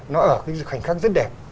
nó ở khoảnh khắc rất đẹp